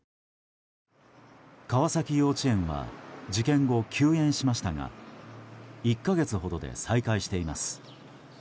川崎幼稚園は事件後、休園しましたが１か月ほどで再開しています。